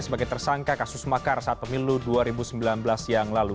sebagai tersangka kasus makar saat pemilu dua ribu sembilan belas yang lalu